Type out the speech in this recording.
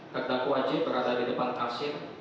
terdakwa wajib berada di depan kasir